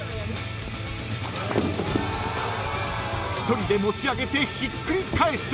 ［１人で持ち上げてひっくり返す］